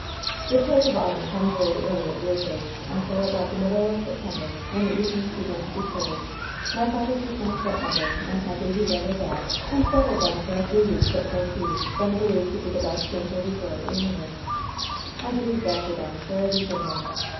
"The chills of autumn come very early at Weirdwaste, and so about the middle of September, when the eve nings began to be cold, my father took my stepmother and my baby brother back and settled them for a few weeks at Torquay, then believed to be the best winter resort in England. "I grieved after them for a week or more.